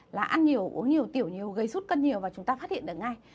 là ăn nhiều uống nhiều tiểu nhiều gây suốt cân nhiều và chúng ta phát hiện được ngay